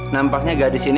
nampaknya gadis ini